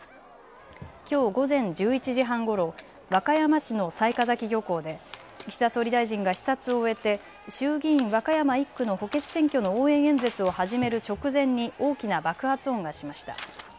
きょう午前１１時半ごろ和歌山市の雑賀崎漁港で岸田総理大臣が視察を終えて衆議院和歌山１区の補欠選挙の応援演説を始める直前に大きな爆発音がしました。